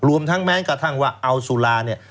รวมทั้งแม้กระทั่งว่าเอาสุราเนี่ย